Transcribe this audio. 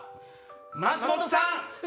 松本さん。